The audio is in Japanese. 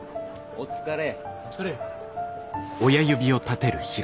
お疲れ。